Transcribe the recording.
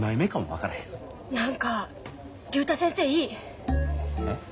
何か竜太先生いい。え？